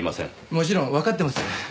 もちろんわかってます。